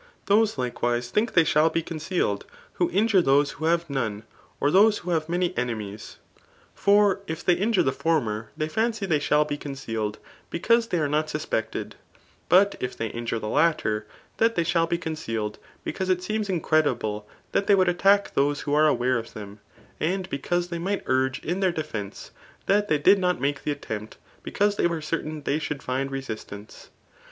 Those^ Ukewi^, tbipk Aey sMl be coQcealed, who injure those who have none, or those who ha«i( mspijf enemies* Forif dioy i^JMn^&tVPr 74 Tf» ART O^ BCML U thfey fi«cy they shall be concealed, beciuse they are not suspected j but if* they injure the latter, that they ahiU be concealed, because it seems incredible that they woidd attack those tdio are aware of Aem, and because they imght urge in thdr defence, that they did not make tl^ attempt [because they were certain they should find re witance.